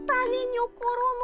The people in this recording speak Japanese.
にょころの。